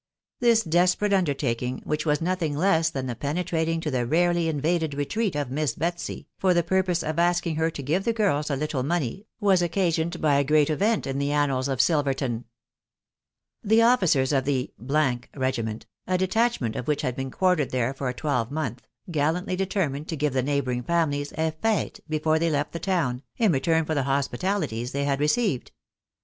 This desperate undertaking, which was nothing less than the penetrating to the rarely invaded retreat of Miss Betsy, for the purpose of asking her to give the girls a little money, was occasioned by a gte&X. «too&. yel <toav vKMfcsktJL 8tfverton. B 4 9 THB WIDOW BARrfABf. The officers of the regiment, a detachment of which had been quartered there for a twelvemonth, gallantly deter mined to give the neighbouring families a fete before they left the town, in return for the hospitalities they had received.